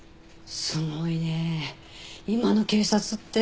すごいね今の警察って。